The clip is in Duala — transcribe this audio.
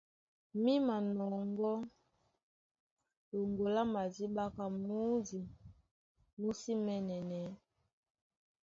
Mí manɔŋgɔ́ ɗoŋgo lá madíɓá ka mǔdi mú sí mɛɛ̄nɛnɛɛ́.